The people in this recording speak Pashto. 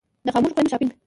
د خاموشو خویندو شاپنګ.